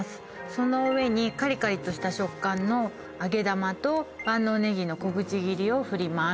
その上にカリカリとした食感の揚げ玉と万能ネギの小口切りをふります